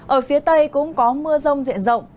ở phía tây cũng có mưa rông diễn rộng